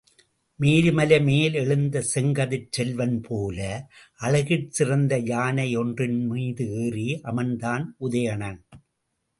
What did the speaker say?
மேருமலை மேல் எழுந்த செங்கதிர்ச் செல்வன் போல அழகிற் சிறந்த யானை ஒன்றின்மீது ஏறி அமர்ந்தான் உதயணன்.